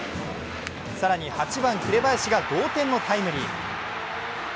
更に８番・紅林が同点のタイムリー。